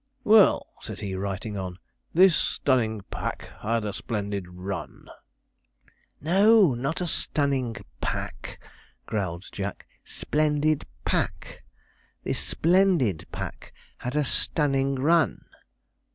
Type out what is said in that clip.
'Well,' said he, writing on, 'this stunning pack had a splendid run.' 'No, not stunning pack,' growled Jack, 'splendid pack "this splendid pack had a stunning run."'